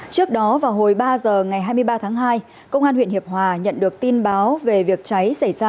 trước đó vào hồi ba giờ ngày hai mươi ba tháng hai công an huyện hiệp hòa nhận được tin báo về việc cháy xảy ra